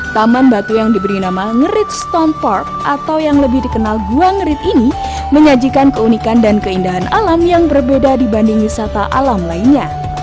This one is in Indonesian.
taman batu yang diberi nama ngerit stone park atau yang lebih dikenal gua ngerit ini menyajikan keunikan dan keindahan alam yang berbeda dibanding wisata alam lainnya